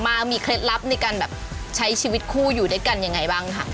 มากมีเคล็ดลับในการใช้ชีวิตครู้อยู่ได้กันยังไงบ้าง